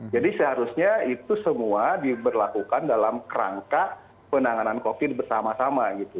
jadi seharusnya itu semua diberlakukan dalam rangka penanganan covid bersama sama gitu